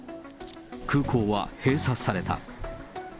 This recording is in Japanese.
空港は閉鎖された。